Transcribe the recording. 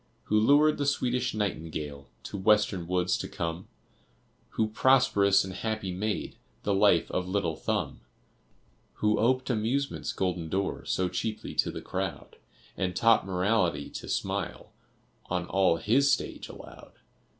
Who lured the Swedish Nightingale To Western woods to come? Who prosperous and happy made The life of little Thumb? Who oped Amusement's golden door So cheaply to the crowd, And taught Morality to smile On all his stage allowed?